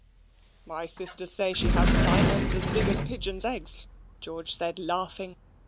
"My sisters say she has diamonds as big as pigeons' eggs," George said, laughing.